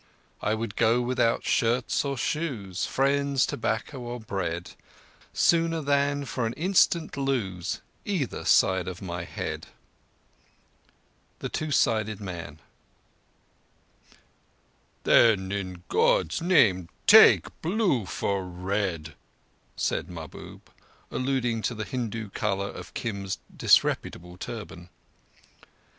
I would go without shirts or shoes, Friends, tobacco or bread Sooner than for an instant lose Either side of my head." "Then in God's name take blue for red," said Mahbub, alluding to the Hindu colour of Kim's disreputable turban.